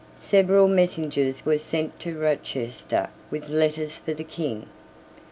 Several messengers were sent to Rochester with letters for the King.